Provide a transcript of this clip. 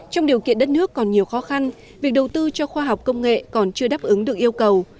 trong điều kiện đất nước còn nhiều khó khăn việc đầu tư cho khoa học công nghệ còn chưa đáp ứng được yêu cầu